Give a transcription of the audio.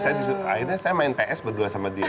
saya akhirnya saya main ps berdua sama dia